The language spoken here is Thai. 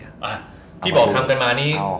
อ่ะที่บอกทำกันมานี้